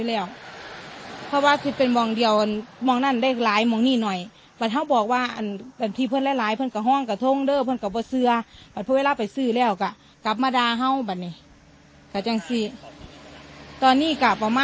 แล้วที่เห็นที่ออกใหม่ใหม่นี่เจ็ดร้อยในกระท่องนึงประมาณกี่ขีดครับ